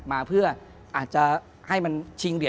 ที่ผ่านมาที่มันถูกบอกว่าเป็นกีฬาพื้นบ้านเนี่ย